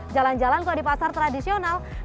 jalan jalan kok di pasar tradisional